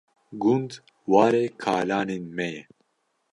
Gund warê kalanên me ye.